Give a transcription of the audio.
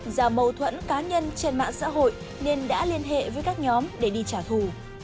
do mâu thuẫn cá nhân trên mạng xã hội nên đã liên hệ với các nhóm để đi trả thù